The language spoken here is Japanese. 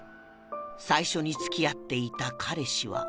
最初に付き合っていた彼氏は